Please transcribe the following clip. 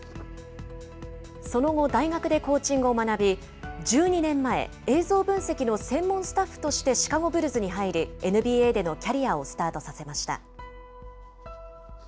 その後、大学でコーチングを学び、１２年前、映像分析の専門スタッフとしてシカゴ・ブルズに入り、ＮＢＡでのキャリアをスタートさせました。